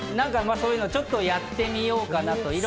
そういうの、ちょっとやってみようかなと。